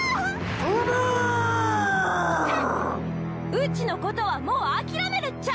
うちのことはもう諦めるっちゃ。